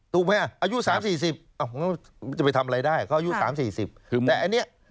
๓๔๐ถูกไหมอายุ๓๔๐จะไปทำอะไรได้เขาอายุ๓๔๐